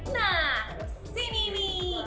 nah sini ini